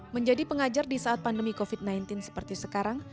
menjadi pengajar di saat pandemi covid sembilan belas seperti sekarang